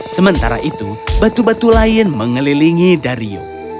sementara itu batu batu lain mengelilingi dario